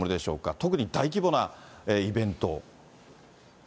特に大規模なイベント。